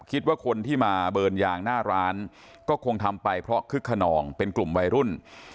คิดว่าคนที่มาเบิร์นยางหน้าร้านก็คงทำไปเพราะคึกขนองเป็นกลุ่มวัยรุ่น